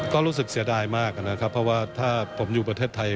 ก็รู้สึกเสียดายมากนะครับเพราะว่าถ้าผมอยู่ประเทศไทย